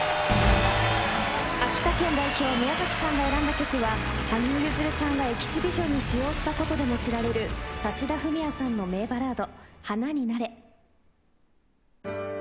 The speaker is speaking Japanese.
秋田県代表宮崎さんが選んだ曲は羽生結弦さんがエキシビションに使用したことでも知られる指田郁也さんの名バラード。